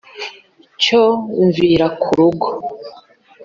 cyo mvira kurugo